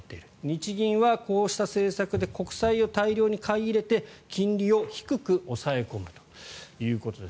日銀はこうした政策で国債を大量に買い入れて金利を低く抑え込むということです。